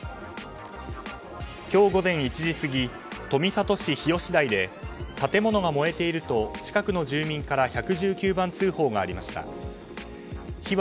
今日午前１時過ぎ富里市日吉台で建物が燃えていると近くの住民から